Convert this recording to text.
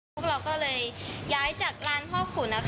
พวกเราก็เลยย้ายจากร้านพ่อขุน